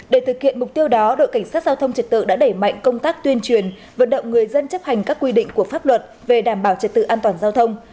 để thực hiện mục tiêu đó đội cảnh sát giao thông trật tự đã đẩy mạnh công tác tuyên truyền vận động người dân chấp hành các quy định của pháp luật về đảm bảo trật tự an toàn giao thông